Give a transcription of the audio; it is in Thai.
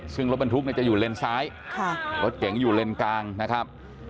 ซึ่งรถบรรทุกจะอยู่เลนซ้ายรถเก๋งอยู่เลนกลางนะครับ